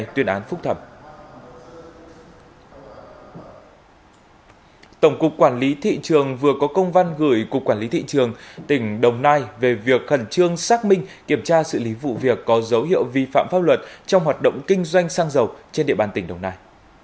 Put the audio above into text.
tổng cục quản lý thị trường vừa có công văn gửi cục quản lý thị trường tỉnh đồng nai về việc khẩn trương xác minh kiểm tra xử lý vụ việc có dấu hiệu vi phạm pháp luật trong hoạt động kinh doanh xăng dầu trên địa bàn tỉnh đồng nai